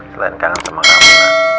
selain kangen sama kamu